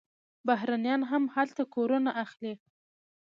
بهرنیان هم هلته کورونه اخلي.